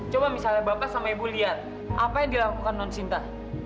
coba misalnya bapak sama ibu lihat apa yang dilakukan non sinta